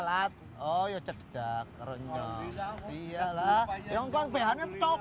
kan saya trata hates pake beautiful produce